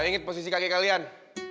saya inget posisi kakek kalian